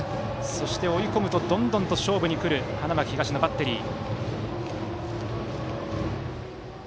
そして追い込むとどんどんと勝負にくる花巻東のバッテリー。